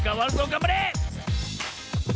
がんばれ！